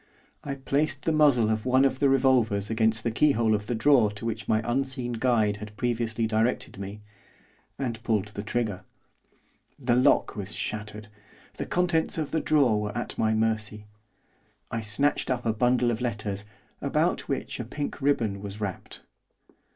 I placed the muzzle of one of the revolvers against the keyhole of the drawer to which my unseen guide had previously directed me, and pulled the trigger. The lock was shattered, the contents of the drawer were at my mercy. I snatched up a bundle of letters, about which a pink ribbon was wrapped.